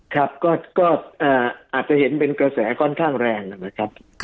ครับก็อาจจะเห็นเป็นกระแสค่อนข้างแรงนะครับ